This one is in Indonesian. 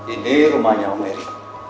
ini rumahnya om eri